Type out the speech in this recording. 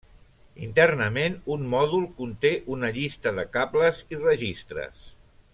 Internament un mòdul conté una llista de cables i registres.